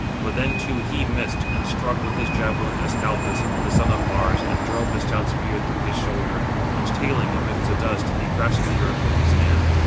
But then too he missed, and struck with his javelin Ascalaphus, the son of Mars, and drove the stout spear through his shoulder; and tailing amid the dust, he grasped the earth with his hand.